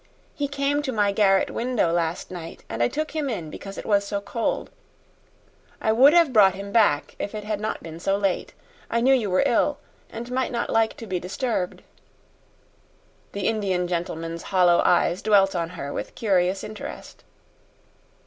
"He came to my garret window last night, and I took him in because it was so cold. I would have brought him back if it had not been so late. I knew you were ill and might not like to be disturbed." The Indian gentleman's hollow eyes dwelt on her with curious interest.